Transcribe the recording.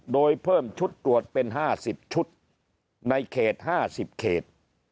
โดยเพิ่มชุดตรวจเป็น๕๐ชุดในเขต๕๐เขต